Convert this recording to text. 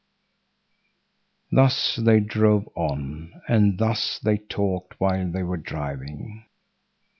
Thus they drove on, and thus they talked while they were driving.